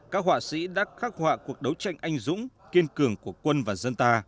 các họa sĩ đã khắc họa cuộc đấu tranh anh dũng kiên cường của quân và dân ta